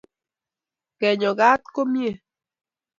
kenyo kat ko mie